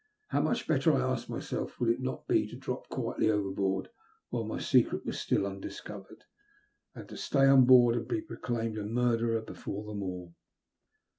How much better, I asked myself, would it not be to drop quietly over board while my secret was still undiscovered, than to stay on board and be proclaimed a murderer before them all?